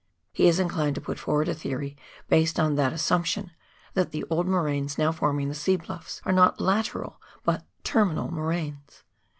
He is inclined to put forward a theory based on that assump tion, that the old moraines now forming the sea bluffs are not lateral, but terminal moraines.